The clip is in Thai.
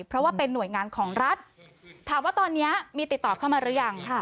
เพราะว่าเป็นหน่วยงานของรัฐถามว่าตอนนี้มีติดต่อเข้ามาหรือยังค่ะ